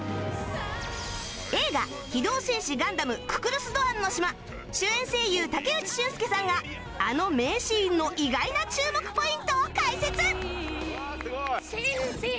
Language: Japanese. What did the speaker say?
映画『機動戦士ガンダムククルス・ドアンの島』主演声優武内駿輔さんがあの名シーンの意外な注目ポイントを解説！